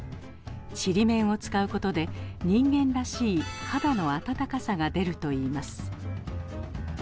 ちりめんを使うことで人間らしい肌の温かさが出るといいます。